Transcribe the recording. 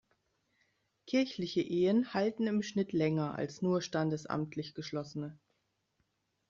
Kirchliche Ehen halten im Schnitt länger als nur standesamtlich geschlossene.